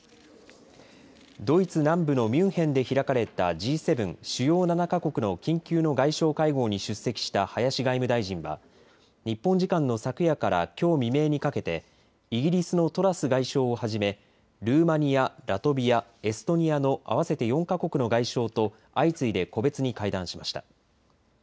ドイツ南部のミュンヘンで開かれたＧ７・主要７か国の緊急の外相会合に出席した林外務大臣は日本時間の昨夜からきょう未明にかけてイギリスのトラス外相をはじめルーマニア、ラトビア、エストニアの合わせて４か国の外相と相次いで個別に会談しました。